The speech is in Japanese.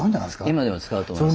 今でも使うと思います。